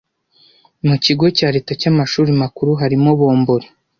mu Kigo cya Leta cy Amashuri makuru harimo bombori